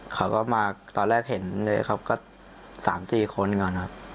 เขาก็มาตอนแรกเห็นเลยครับก็๓๔คนก่อนครับ